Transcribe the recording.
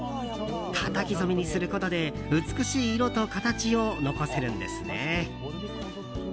たたき染めにすることで美しい色と形を残せるんですね。